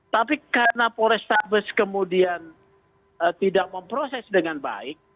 tapi karena polres sabes kemudian tidak memproses dengan baik